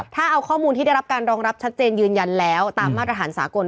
ถ้าเอาข้อมูลที่ได้รับการรองรับชัดเจนยืนยันแล้วตามมาตรฐานสากล